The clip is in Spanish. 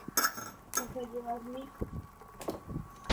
Otras obras suyas fueron el interior de la Catedral de St.